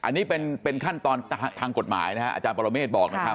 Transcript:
อันนี้เป็นขั้นตอนทางกฎหมายนะครับอาจารย์ปรเมฆบอกนะครับ